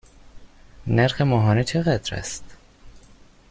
نرخ ماهانه چقدر است؟